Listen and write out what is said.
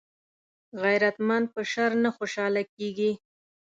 غیرتمند په شر نه خوشحاله کېږي